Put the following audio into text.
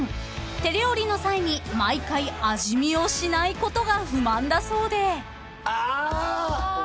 ［手料理の際に毎回味見をしないことが不満だそうで］